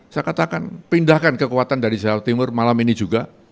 saya katakan pindahkan kekuatan dari jawa timur malam ini juga